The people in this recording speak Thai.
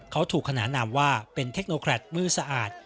เขาถูกขนานนามว่าเป็นเทคโนแครตมือสะอาด